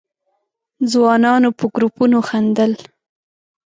ځوانانو په گروپونو خندل.